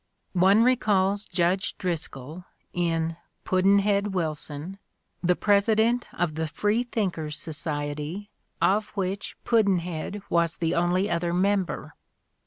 One recalls Judge Driscoll in "Pudd'nhead Wilson," the president of the Free Thinkers' Society of which Pudd'nhead was the only other member.